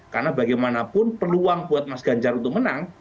karena bagaimanapun peluang buat mas ganjar untuk menang